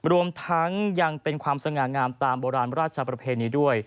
รวมทั้งยังเป็นความสง่างามตามโบราณราชประเพณีด้วย